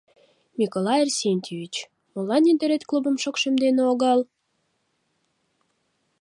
— Миколай Арсентьевич, молан ӱдырет клубым шокшемден огыл?